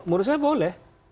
menurut saya boleh